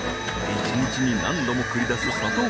一日に何度も繰り出す佐藤